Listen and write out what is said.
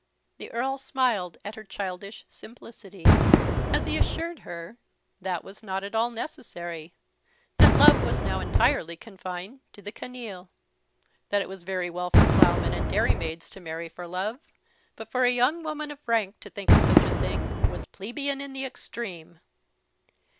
The Earl smiled at her childish simplicity as he assured her that was not at all necessary; that love was now entirely confined to the canaille; that it was very well for ploughmen and dairymaids to marry for love; but for a young woman of rank to think of such a thing was plebeian in the extreme!